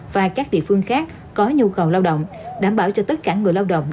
và các địa phương khác có nhu cầu lao động đảm bảo cho tất cả người lao động